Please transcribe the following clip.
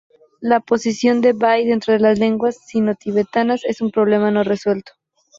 La posición del bai dentro de las lenguas sinotibetanas es un problema no resuelto.